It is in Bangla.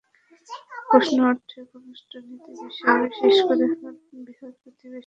প্রশ্ন ওঠে পররাষ্ট্রনীতি বিষয়ে, বিশেষ করে বৃহৎ প্রতিবেশী চীনের সঙ্গে সম্পর্কের বিষয়ে।